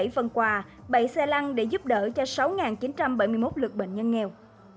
ba chín trăm chín mươi bảy phần quà bảy xe lăng để giúp đỡ cho sáu chín trăm bảy mươi một lượt bệnh nhân nghèo